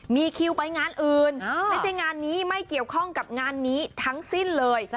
มีคิวไปงานอื่นไม่ใช่งานนี้ไม่เกี่ยวข้องกับงานนี้ทั้งสิ้นเลย